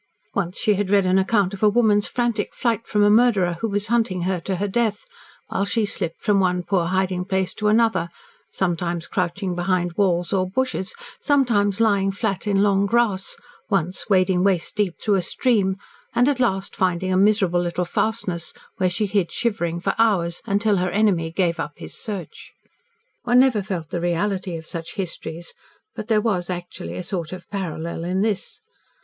Once she had read an account of a woman's frantic flight from a murderer who was hunting her to her death, while she slipped from one poor hiding place to another, sometimes crouching behind walls or bushes, sometimes lying flat in long grass, once wading waist deep through a stream, and at last finding a miserable little fastness, where she hid shivering for hours, until her enemy gave up his search. One never felt the reality of such histories, but there was actually a sort of parallel in this.